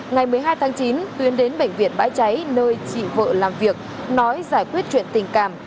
ngày một mươi hai tháng chín tuyên đến bệnh viện bãi cháy nơi chị vợ làm việc nói giải quyết chuyện tình cảm